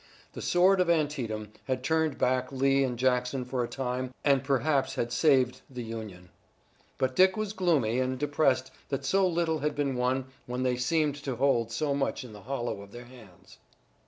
The sword of Antietam had turned back Lee and Jackson for a time and perhaps had saved the Union, but Dick was gloomy and depressed that so little had been won when they seemed to hold so much in the hollow of their hands.